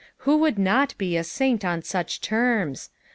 Who would not be a saint on such terms